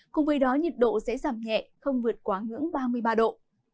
cùng với đó nhiệt độ sẽ giảm nhẹ không vượt quá ngưỡng ba mươi ba độ